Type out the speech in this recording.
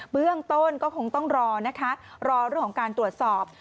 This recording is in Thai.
เบื้องต้นก็คงต้องรอนะคะรอเรื่องของการตรวจสอบ